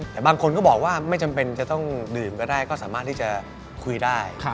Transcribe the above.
แต่บางคนก็บอกว่าไม่จำเป็นจะต้องดื่มก็ได้ก็สามารถที่จะคุยได้